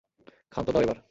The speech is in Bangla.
ক্ষান্ত দাও এবার।